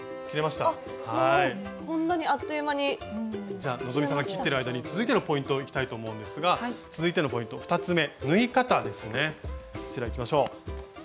じゃ希さんが切ってる間に続いてのポイントいきたいと思うんですが続いてのポイント２つめ。